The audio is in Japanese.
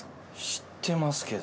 知ってますけど。